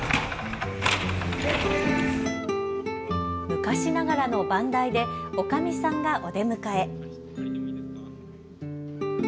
昔ながらの番台でおかみさんがお出迎え。